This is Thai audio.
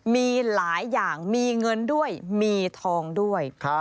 มีหลายอย่างมีเงินด้วยมีทองด้วย